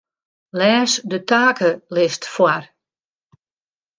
Lês de takelist foar.